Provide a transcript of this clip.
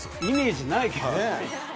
イメージないけどね。